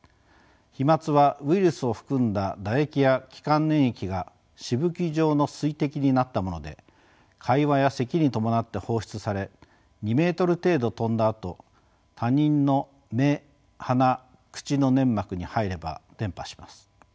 飛まつはウイルスを含んだ唾液や気管粘液がしぶき状の水滴になったもので会話やせきに伴って放出され２メートル程度飛んだあと他人の目鼻口の粘膜に入れば伝播します。